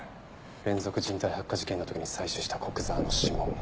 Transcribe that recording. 連続人体発火事件の時に採取した古久沢の指紋